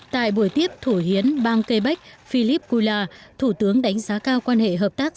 tại buổi tiếp thủ hiến bang kê bách philip goula thủ tướng đánh giá cao quan hệ hợp tác